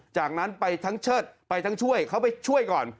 จากนั้นไปทั้งเชิดไปทั้งช่วยเขาไปช่วยก่อน